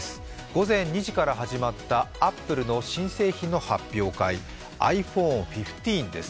午前２時から始まったアップルの新製品の発表会、ｉＰｈｏｎｅ１５です。